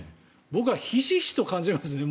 僕はひしひしと感じますね